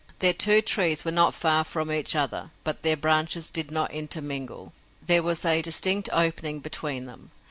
Their two trees were not far from each other, but their branches did not intermingle. There was a distinct opening between them.